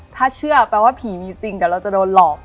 ถ้าเชื่อแปลว่าผีมีจริงเดี๋ยวเราจะโดนหลอก